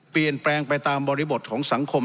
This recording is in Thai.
เปลี่ยนแปลงไปตามบริบทของสังคม